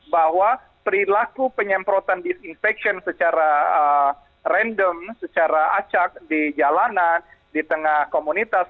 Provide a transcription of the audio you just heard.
bahwa perilaku penyemprotan disinfection secara random secara acak di jalanan di tengah komunitas